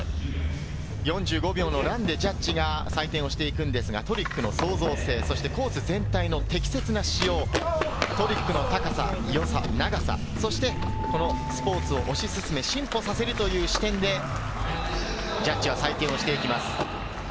４５秒のランでジャッジが採点をしていくんですが、トリックの創造性、コース全体の適切な使用、トリックの高さ、良さ、長さ、そしてスポーツを推し進め、進歩させるという視点でジャッジは採点をしていきます。